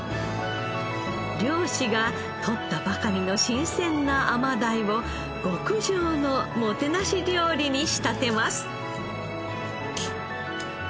漁師がとったばかりの新鮮な甘鯛を極上のもてなし料理に仕立てます